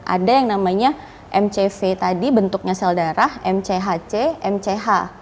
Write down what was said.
ada yang namanya mcv tadi bentuknya sel darah mchc mch